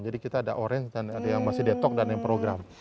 jadi kita ada orange dan ada yang masih detoksifikasi dan yang program